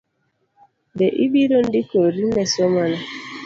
Be ibiro ndikori ne somo no?